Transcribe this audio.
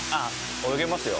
泳げますよ。